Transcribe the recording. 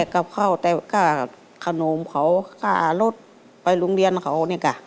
กับข้าวแต่ก็คนมเขาก็รถไปโรงเรียนเขา